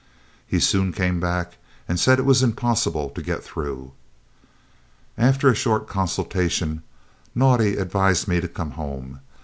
"He soon came back and said it was impossible to get through. "After a short consultation, Naudé advised me to come home.